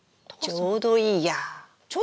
ちょうどいい？